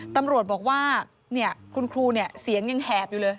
ตำรวจบอกว่าคุณครูเนี่ยเสียงยังแหบอยู่เลย